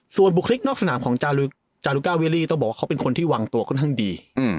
ส่วนบุคลิกนอกสนามของจารุก้าเวียรี่ต้องบอกว่าเขาเป็นคนที่วางตัวค่อนข้างดี